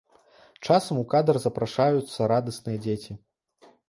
Часам у кадр запрашаюцца радасныя дзеці.